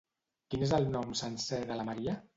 Quin és el nom sencer de la Maria?